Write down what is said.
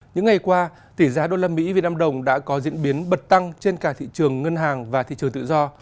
những ngày qua tỷ giá usd vnđ đã có diễn biến bật tăng trên cả thị trường ngân hàng và thị trường tự do